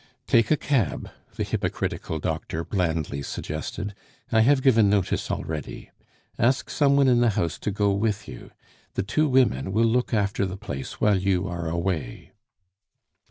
"Take a cab," the hypocritical doctor blandly suggested. "I have given notice already. Ask some one in the house to go with you. The two women will look after the place while you are away."